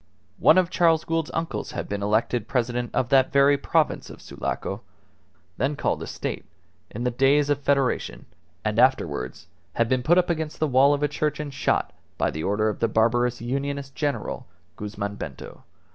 One of Charles Gould's uncles had been the elected President of that very province of Sulaco (then called a State) in the days of Federation, and afterwards had been put up against the wall of a church and shot by the order of the barbarous Unionist general, Guzman Bento.